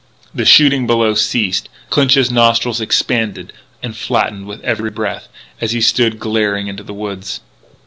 The shooting below ceased. Clinch's nostrils expanded and flattened with every breath, as he stood glaring into the woods.